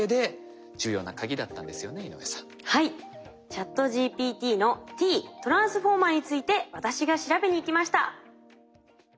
ＣｈａｔＧＰＴの「Ｔ」Ｔｒａｎｓｆｏｒｍｅｒについて私が調べに行きました。